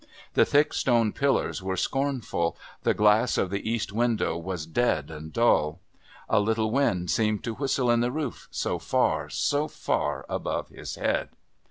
The thick stone pillars were scornful, the glass of the East window was dead and dull. A little wind seemed to whistle in the roof so far, so far above his head.